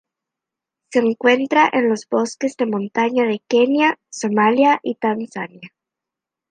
Se encuentra en en los bosques de montaña de Kenia, Somalia y Tanzania.